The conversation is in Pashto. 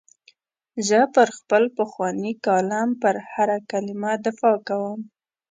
زه پر خپل پخواني کالم پر هره کلمه دفاع کوم.